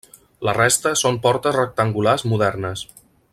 La resta són portes rectangulars modernes.